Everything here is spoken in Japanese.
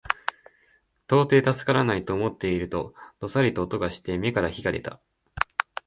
到底助からないと思っていると、どさりと音がして眼から火が出た